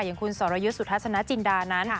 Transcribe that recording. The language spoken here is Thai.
อย่างคุณสอรยุสสุทธาชนะจินดานั้น